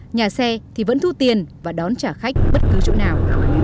nhà xe thì vẫn thu tiền và đón trả khách bất cứ chỗ nào